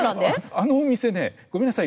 あのお店ねごめんなさい